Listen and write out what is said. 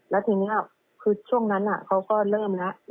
แล้วทีนี้คือช่วงนั้นเขาก็เริ่มแล้ว